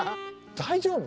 大丈夫？